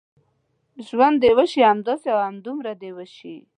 ژوند دې وشي، همداسې او همدومره دې وشي.